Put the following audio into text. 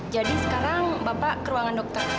jadi sekarang bapak ke ruangan dokter